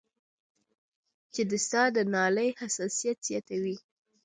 چې د ساه د نالۍ حساسيت زياتوي